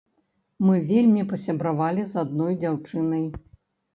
Мы вельмі пасябравалі з адной дзяўчынай.